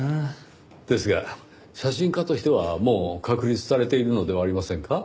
ですが写真家としてはもう確立されているのではありませんか？